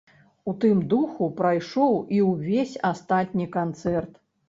У тым духу прайшоў і ўвесь астатні канцэрт.